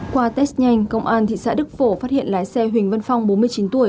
qua test nhanh công an thị xã đức phổ phát hiện lái xe huỳnh văn phong bốn mươi chín tuổi